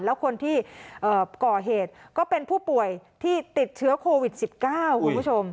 แล้วคนที่ก่อเหตุก็เป็นผู้ป่วยที่ติดเชื้อโควิด๑๙คุณผู้ชม